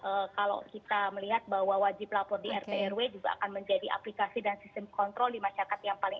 dan kalau kita melihat bahwa wajib lapor di rprw juga akan menjadi aplikasi dan sistem kontrol di masyarakat yang penting